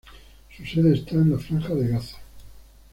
Su sede está en la Franja de Gaza.